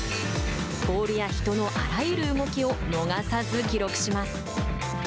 ボールや人のあらゆる動きを逃さず記録します。